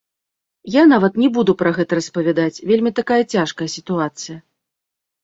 Я нават не буду пра гэта распавядаць, вельмі такая цяжкая сітуацыя.